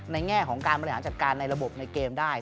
แง่ของการบริหารจัดการในระบบในเกมได้